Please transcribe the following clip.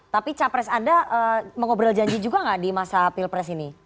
tapi capres anda mengobrol janji juga nggak di masa pilpres ini